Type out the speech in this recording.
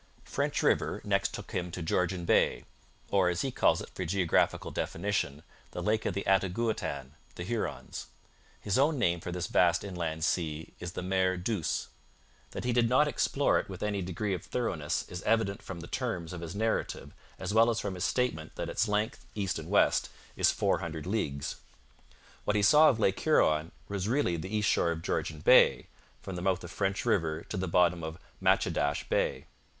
French River next took him to Georgian Bay, or, as he calls it for geographical definition, the Lake of the Attigouautan [Hurons]. His own name for this vast inland sea is the Mer Douce. That he did not explore it with any degree of thoroughness is evident from the terms of his narrative as well as from his statement that its length, east and west, is four hundred leagues. What he saw of Lake Huron was really the east shore of Georgian Bay, from the mouth of French River to the bottom of Matchedash Bay.